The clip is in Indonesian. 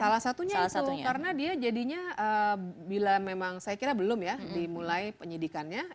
salah satunya itu karena dia jadinya bila memang saya kira belum ya dimulai penyidikannya